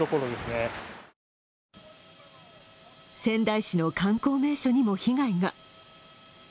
仙台市の観光名所にも被害が。